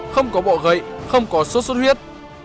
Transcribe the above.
không có bọ gậy không có sốt xuất huyết